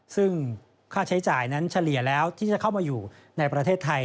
ซึ่งค่าใช้จ่ายนั้นเฉลี่ยแล้วที่จะเข้ามาอยู่ในประเทศไทย